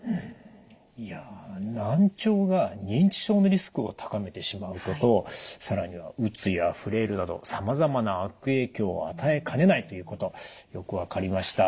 いや難聴が認知症のリスクを高めてしまうこと更にはうつやフレイルなどさまざまな悪影響を与えかねないということよく分かりました。